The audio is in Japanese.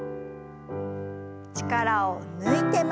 力を抜いて前に。